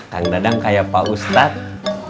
kang dadang kayak pak ustadz